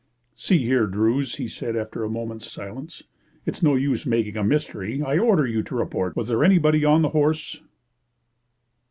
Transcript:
"See here, Druse," he said, after a moment's silence, "it's no use making a mystery. I order you to report. Was there anybody on the horse?"